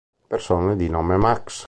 Persone di nome Max